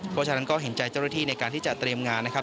เพราะฉะนั้นก็เห็นใจเจ้าหน้าที่ในการที่จะเตรียมงานนะครับ